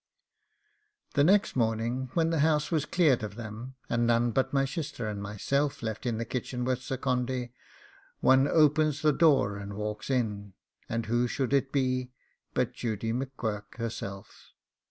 The next morning, when the house was cleared of them, and none but my shister and myself left in the kitchen with Sir Condy, one opens the door and walks in, and who should it be but Judy M'Quirk herself!